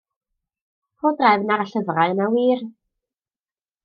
Rho drefn ar y llyfrau yna wir.